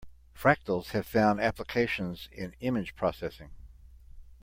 Fractals have found applications in image processing.